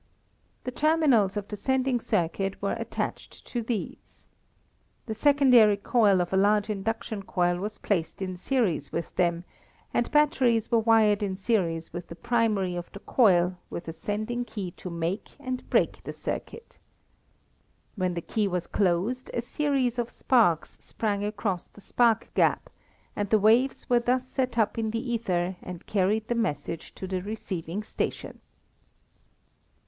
The terminals of the sending circuit were attached to these. The secondary coil of a large induction coil was placed in series with them, and batteries were wired in series with the primary of the coil with a sending key to make and break the circuit. When the key was closed a series of sparks sprang across the spark gap, and the waves were thus set up in the ether and carried the message to the receiving station.